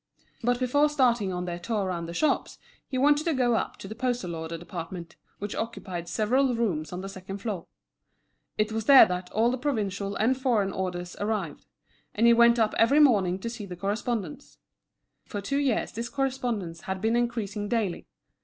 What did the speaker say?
But before starting on their tour round the shops, he wanted to go up to the postal order department, which occupied several rooms on the second floor. It was there that all the provincial and foreign orders arrived; and he went up every morning to see the correspondence. For two years this correspondence had been increasing daily.